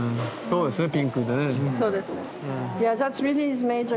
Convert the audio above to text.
そうですね。